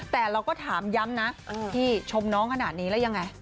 แต่เราก็ถามย้ำนะพี่ชมน้องขนาดนี้แล้วยังไง